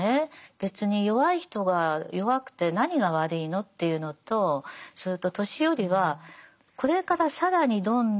別に弱い人が弱くて何が悪いのっていうのとそれと年寄りはこれから更にどんどん弱くなっていきますよね。